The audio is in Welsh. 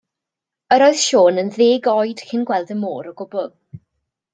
Yr oedd Siôn yn ddeg oed cyn gweld y môr o gwbl.